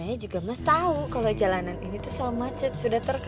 ya kan mas